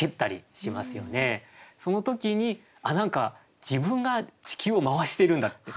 その時に何か自分が地球を廻してるんだって。